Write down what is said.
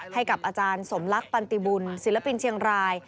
ให้กับอาจารย์สมลักษันติบุญศิลปินเชียงราย